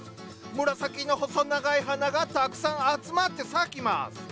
紫の細長い花がたくさん集まって咲きます。